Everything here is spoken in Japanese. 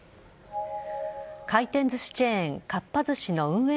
回転寿司チェーンかっぱ寿司の運営